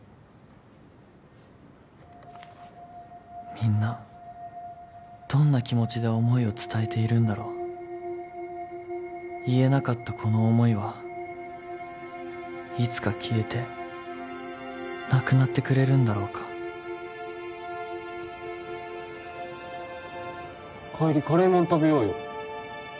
みんなどんな気持ちで思いを伝えているんだろう言えなかったこの思いはいつか消えてなくなってくれるんだろうか帰りカレーまん食べようよ